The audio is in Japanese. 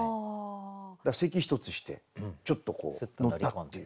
だから咳一つしてちょっとこう乗ったっていう。